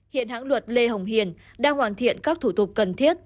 hiện hãng luật lê hồng hiền đang hoàn thiện các thủ tục cần thiết